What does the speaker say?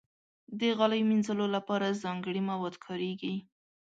د غالۍ مینځلو لپاره ځانګړي مواد کارېږي.